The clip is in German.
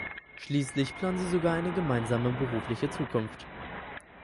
Schließlich planen sie sogar eine gemeinsame berufliche Zukunft.